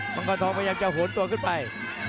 มังกรทองพยายามจะโหนตัวขึ้นไป